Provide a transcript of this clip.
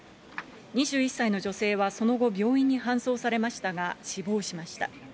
２１歳の女性はその後、病院に搬送されましたが、死亡しました。